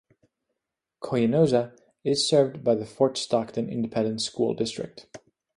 Coyanosa is served by the Fort Stockton Independent School District.